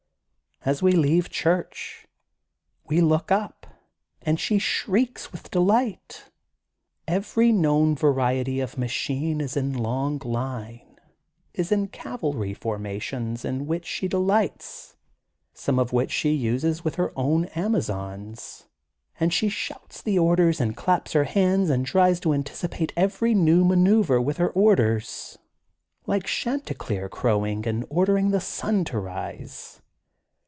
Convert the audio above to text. As we leave church, we look up and she shrieks with de 158 THE GOLDEN BOOK OF SPRINGFIELD light. Every known variety of machine is in long line, is in cavalry formations in which she delights, some of which she nses with her own Amazons, and she shouts the orders and claps her hands and tries to antici pate each new maneuver with her orders, like chanticleer crowing, and ordering the sun to rise.